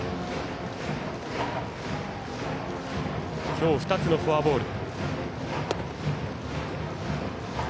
今日２つのフォアボール。